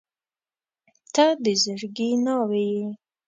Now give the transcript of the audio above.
• ته د زړګي ناوې یې.